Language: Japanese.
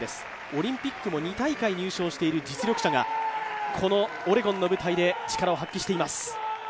オリンピックも２大会入賞している実力者が、このオレゴンの舞台で力を発揮しています。